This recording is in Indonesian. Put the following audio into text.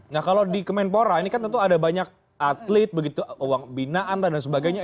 nah kalau di kemenpora ini kan tentu ada banyak atlet begitu uang binaan dan sebagainya